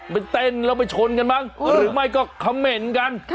ไปเต้นแล้วไปชนกันมั้งหรือไม่ก็คำเหม็นกัน